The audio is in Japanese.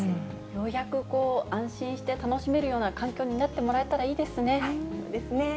ようやく安心して楽しめるような環境になってもらえたらいいそうですね。